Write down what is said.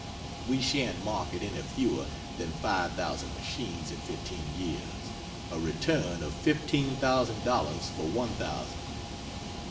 We shan't market any fewer than 5,000 machines in 15 years a return of fifteen thousand dollars for one thousand.